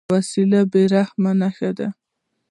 وسله د بېرحمۍ نښه ده